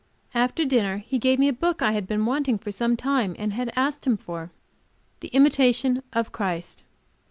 After dinner he gave me a book I have been wanting for some time, and had asked him for "The Imitation of Christ."